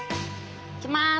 いきます。